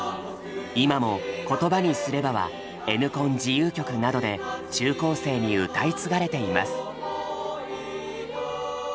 今も「言葉にすれば」はＮコン自由曲などで中高生に歌い継がれています。